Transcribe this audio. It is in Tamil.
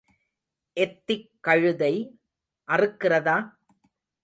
எத்திக் கழுத்தை அறுக்கிறதா?